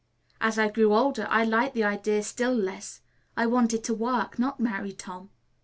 As I grew older I liked the idea still less. I wanted to work; not marry Tom.